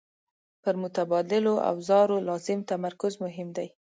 پر متبادلو اوزارو لازم تمرکز مهم دی.